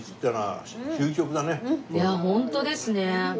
いやホントですね。